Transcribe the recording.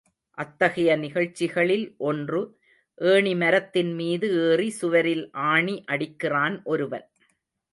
அத்தகைய நிகழ்ச்சிகளில் ஒன்று— ஏணிமரத்தின் மீது ஏறி சுவரில் ஆணி அடிக்கிறான் ஒருவன்.